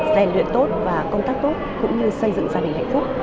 rèn luyện tốt và công tác tốt cũng như xây dựng gia đình hạnh phúc